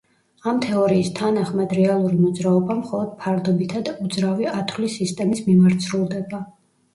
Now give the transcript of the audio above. ამ თეორიის თანახმად, რეალური მოძრაობა მხოლოდ ფარდობითად უძრავი ათვლის სისტემის მიმართ სრულდება.